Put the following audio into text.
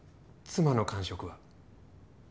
妻の感触は。